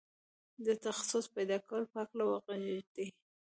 د تخصص پيدا کولو په هکله وغږېد.